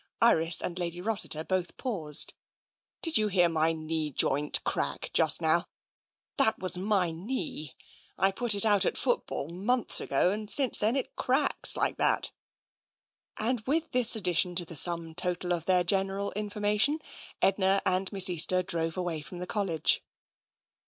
Iris and Lady Rossiter both paused. "Did you hear my knee joint crack just now? That was my knee. I put it out at football, months ago, and since then it cracks, like that." And with this addition to the sum total of their gen eral information, Edna and Miss Easter drove away from the College.